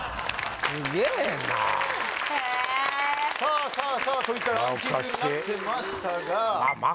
すげえなへえさあさあさあといったランキングになってましたがああ